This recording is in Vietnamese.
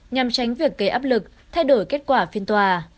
nhằm tránh việc gây áp lực thay đổi kết quả phiên tòa